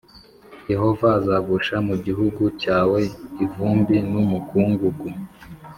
yehova azagusha mu gihugu cyawe ivumbi n’umukungugu.